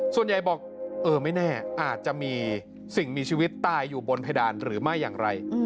ส่วนใหญ่บอกเออไม่แน่อาจจะมีสิ่งมีชีวิตตายอยู่บนเพดานหรือไม่อย่างไร